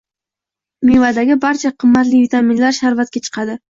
Mevadagi barcha qimmatli vitaminlar sharbatga chiqadi.